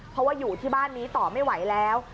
เพราะว่าอยู่ที่บ้านนี้ต่อไม่ไหวแล้ว